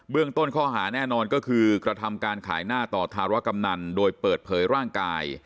ต้นข้อหาแน่นอนก็คือกระทำการขายหน้าต่อธารกำนันโดยเปิดเผยร่างกาย